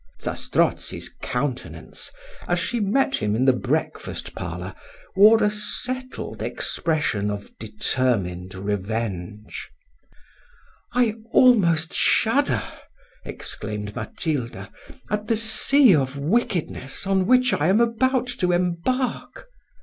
Zastrozzi's countenance, as she met him in the breakfast parlour, wore a settled expression of determined revenge "I almost shudder," exclaimed Matilda, "at the sea of wickedness on which I am about to embark!